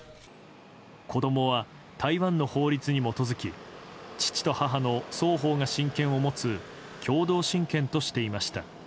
子供は台湾の法律に基づき父と母の双方が親権を持つ共同親権としていました。